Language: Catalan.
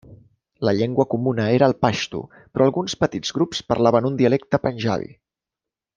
La llengua comuna era el paixtu però alguns petits grups parlaven un dialecte panjabi.